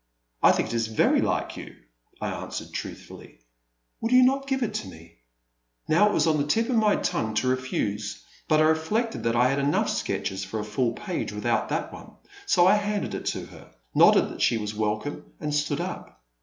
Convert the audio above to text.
"I think it is very like you," I answered truthfully. Will you not give it to me ?" Now it was on the tip of my tongue to refuse, but I reflected that I had enough sketches for a fiill page without that one, so I handed it to her, nodded that she was welcome, and stood up.